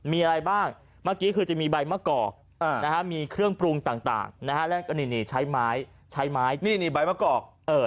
มีอะไรบ้างเมื่อกี้คือจะมีใบมะกอกมีเครื่องปรุงต่างนะฮะแล้วก็นี่ใช้ไม้ใช้ไม้นี่ใบมะกอก